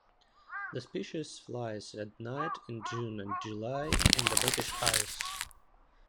The species flies at night in June and July in the British Isles.